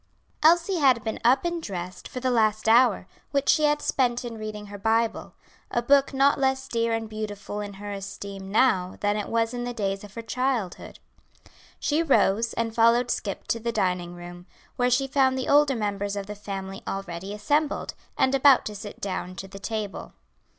Elsie had been up and dressed for the last hour, which she had spent in reading her Bible; a book not less dear and beautiful in her esteem now than it was in the days of her childhood. She rose and followed Scip to the dining room, where she found the older members of the family already assembled, and about to sit down to the table.